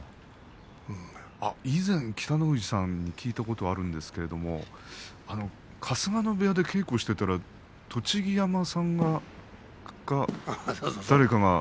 以前、北の富士さんに聞いたことがありますが春日野部屋で稽古をしていたら栃木山さんか誰かが。